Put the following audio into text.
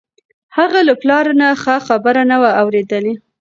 هغه له خپل پلار نه ښه خبره نه وه اورېدلې.